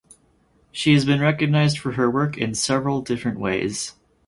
She has been recognized for her work in several different ways.